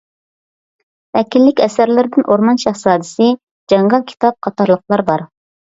ۋەكىللىك ئەسەرلىرىدىن «ئورمان شاھزادىسى» ، «جاڭگال كىتاب» قاتارلىقلار بار.